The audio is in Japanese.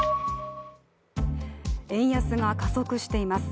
円安が加速しています。